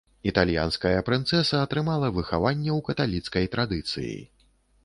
Італьянская прынцэса атрымала выхаванне ў каталіцкай традыцыі.